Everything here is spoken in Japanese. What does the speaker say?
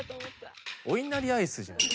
おいなりアイスじゃん。